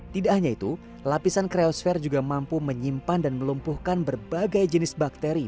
tidak hanya itu lapisan kreosfer juga mampu menyimpan dan melumpuhkan berbagai jenis bakteri